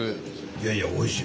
いやいやおいしい。